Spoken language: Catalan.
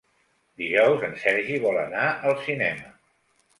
Dijous en Sergi vol anar al cinema.